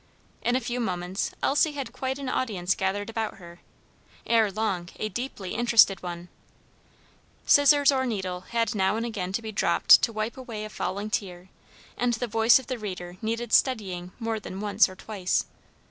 In a few moments Elsie had quite an audience gathered about her, ere long a deeply interested one; scissors or needle had now and again to be dropped to wipe away a falling tear, and the voice of the reader needed steadying more than once or twice.